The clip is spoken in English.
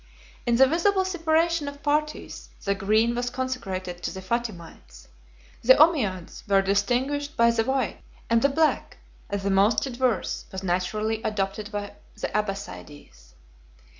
In the visible separation of parties, the green was consecrated to the Fatimites; the Ommiades were distinguished by the white; and the black, as the most adverse, was naturally adopted by the Abbassides.